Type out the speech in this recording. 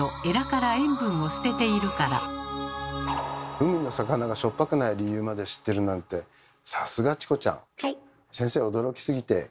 海の魚がしょっぱくない理由まで知ってるなんてさすがチコちゃん。